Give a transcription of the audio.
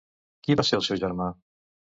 Qui va ser el seu germà?